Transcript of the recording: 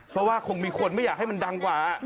เพราะว่าคงมีคนไม่อยากให้มันดังกว่า